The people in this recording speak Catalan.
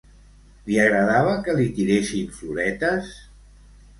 Li agradava que li tiressin floretes?